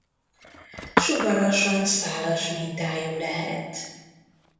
Sugarasan szálas mintájú lehet.